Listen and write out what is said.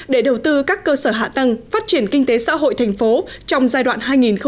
để đầu tư các cơ sở hạ tăng phát triển kinh tế xã hội thành phố trong giai đoạn hai nghìn một mươi tám hai nghìn hai mươi hai